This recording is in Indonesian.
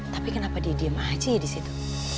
tapi kenapa dia diem aja disitu